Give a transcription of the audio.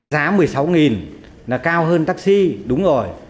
giá một mươi sáu là cao hơn taxi đúng rồi